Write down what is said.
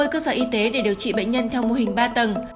một mươi cơ sở y tế để điều trị bệnh nhân theo mô hình ba tầng